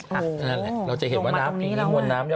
นั่นแหละเราจะเห็นว่าน้ำผิงนี้มนต์น้ำ